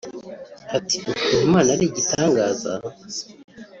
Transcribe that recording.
Ati “Ukuntu Imana ari igitangaza